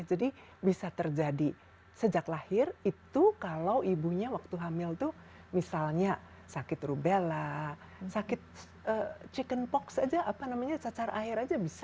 jadi bisa terjadi sejak lahir itu kalau ibunya waktu hamil itu misalnya sakit rubella sakit chicken pox saja cacar air saja bisa